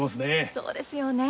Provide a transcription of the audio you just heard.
そうですよね。